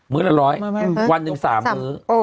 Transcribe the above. ื้อละร้อยวันหนึ่ง๓มื้อ